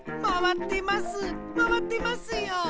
まわってますよ！